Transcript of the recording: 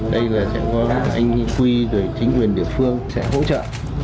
đây là sẽ có anh quy chính quyền địa phương sẽ hỗ trợ